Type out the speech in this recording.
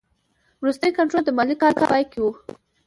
وروستی کنټرول د مالي کال په پای کې وي.